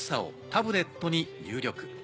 タブレットに入力。